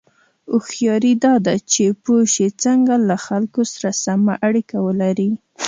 هوښیاري دا ده چې پوه شې څنګه له خلکو سره سمه اړیکه ولرې.